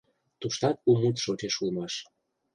Туштат у мут шочеш улмаш.